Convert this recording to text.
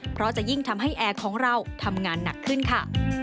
เพราะจะยิ่งทำให้แอร์ของเราทำงานหนักขึ้นค่ะ